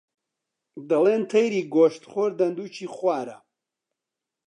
دەڵێن تەیری گۆشتخۆر دندووکی خوارە